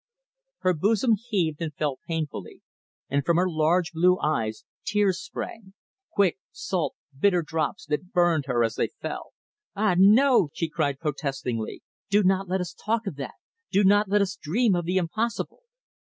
Her bosom heaved and fell painfully, and from her large blue eyes tears sprang quick, salt, bitter drops that burned her as they fell. "Ah, no?" she cried protestingly. "Do not let us talk of that. Do not let us dream of the impossible."